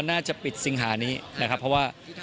น่าจะปิดสิงหานี้นะครับเพราะว่า